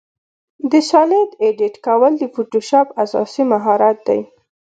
د شالید ایډیټ کول د فوټوشاپ اساسي مهارت دی.